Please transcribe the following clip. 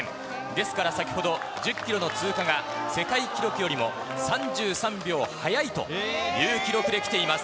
ですから先ほど１０キロの通過が世界記録よりも３３秒早いという記録できています。